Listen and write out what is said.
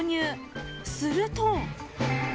［すると］